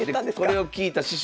これを聞いた師匠